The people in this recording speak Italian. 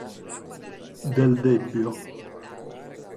Del Debbio